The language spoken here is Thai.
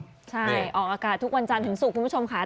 ใช่ออกอากาศทุกวันจันทร์ถึงศุกร์คุณผู้ชมค่ะ